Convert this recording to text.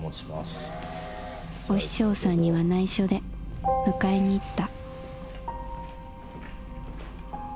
「お師匠さんにはないしょで迎えに行った」。